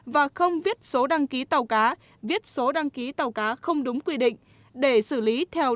và không viết số đăng ký tàu cá viết số đăng ký tàu cá không đúng quy định để xử lý theo đúng quy định của pháp luật